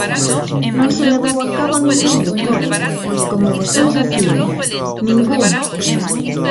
Non se levou a cabo ningún recorte, como vostedes afirman, ¡ningún!